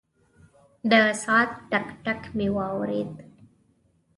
د ساعت ټک، ټک مې واورېد.